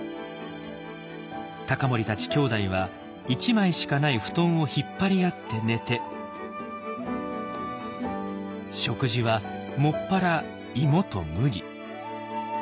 隆盛たちきょうだいは１枚しかない布団を引っ張り合って寝て食事は専らイモと麦。